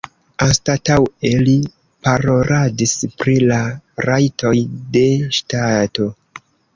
Anstataŭe li paroladis pri la rajtoj de ŝtato.